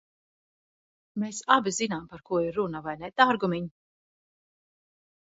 Mēs abi zinām, par ko ir runa, vai ne, dārgumiņ?